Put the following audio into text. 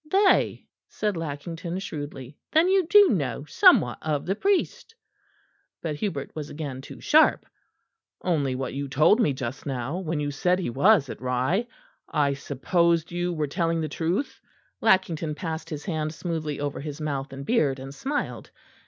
"They?" said Lackington shrewdly. "Then you do know somewhat of the priest?" But Hubert was again too sharp. "Only what you told me just now, when you said he was at Rye. I supposed you were telling the truth." Lackington passed his hand smoothly over his mouth and beard, and smiled.